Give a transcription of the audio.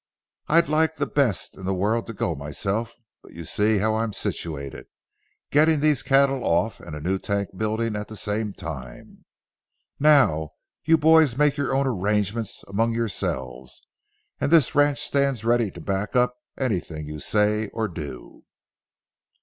I'd like the best in the world to go myself, but you see how I'm situated, getting these cattle off and a new tank building at the same time. Now, you boys make your own arrangements among yourselves, and this ranch stands ready to back up anything you say or do."